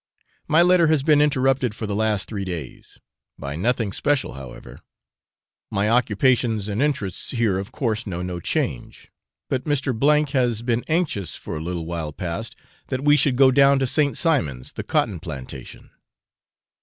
My letter has been interrupted for the last three days; by nothing special, however. My occupations and interests here of course know no change; but Mr. has been anxious for a little while past that we should go down to St. Simon's, the cotton plantation.